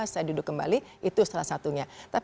saya duduk kembali itu salah satunya tapi